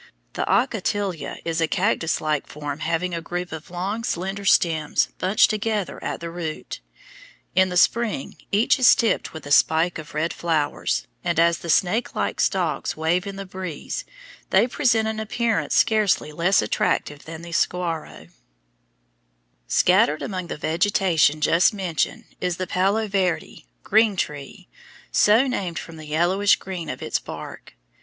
The ocatilla is a cactus like form having a group of long slender stems bunched together at the root. In the spring each is tipped with a spike of red flowers, and as the snake like stalks wave in the breeze they present an appearance scarcely less attractive than the saguaro. [Illustration: FIG. 86. OCATILLA] Scattered among the vegetation just mentioned is the palo verde (green tree), so named from the yellowish green of its bark.